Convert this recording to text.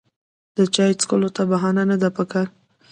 د چای څښلو ته بهانه نه ده پکار.